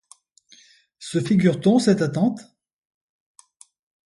Se figure-t-on cette attente ?